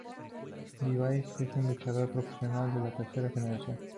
DiBiase es un luchador profesional de tercera generación.